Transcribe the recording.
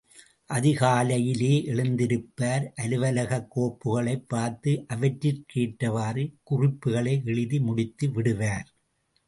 அதிகாலையிலே எழுந்திருப்பார், அலுவலகக் கோப்புகளைப் பார்த்து அவற்றிற்கேற்றவாறு குறிப்புகளை எழுதி முடித்து விடுவார்.